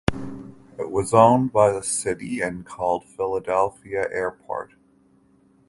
It was owned by the city and called Philadelphia Airport.